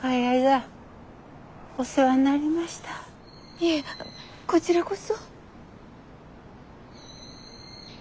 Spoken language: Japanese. いえこちらこそ。